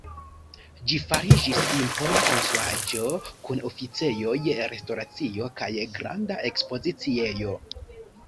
Ĝi fariĝis impona konstruaĵo kun oficejoj, restoracio kaj granda ekspoziciejo.